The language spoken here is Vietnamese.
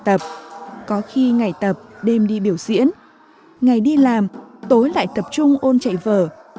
tập có khi ngày tập đêm đi biểu diễn ngày đi làm tối lại tập trung ôn chạy vở